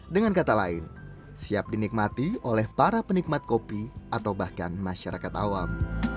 dengan kata lain siap dinikmati oleh para penikmat kopi atau bahkan masyarakat awam